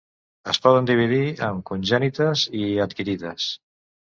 Es poden dividir en congènites i adquirides.